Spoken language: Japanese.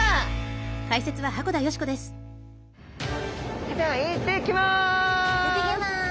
それでは行ってきます！